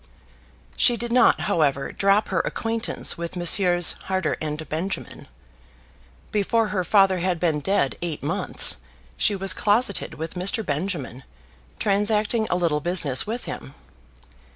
She did not, however, drop her acquaintance with Messrs. Harter and Benjamin. Before her father had been dead eight months, she was closeted with Mr. Benjamin, transacting a little business with him.